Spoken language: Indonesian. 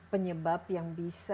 penyebab yang bisa